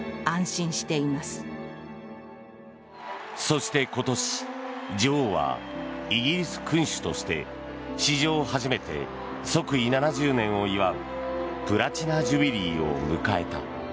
そして今年女王はイギリス君主として史上初めて、即位７０年を祝うプラチナ・ジュビリーを迎えた。